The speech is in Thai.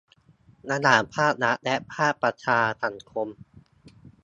ระหว่างภาครัฐและภาคประชาสังคม